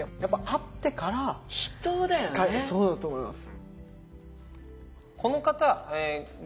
そうだと思います。